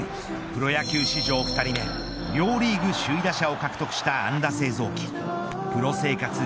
プロ野球史上２人目両リーグ首位打者を獲得した安打製造機プロ生活